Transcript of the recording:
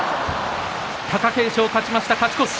貴景勝、勝ちました、勝ち越し。